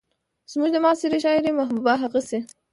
زموږ د معاصرې شاعرۍ محبوبه هغسې